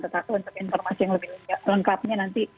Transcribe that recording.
tetapi untuk informasi yang lebih lengkapnya nanti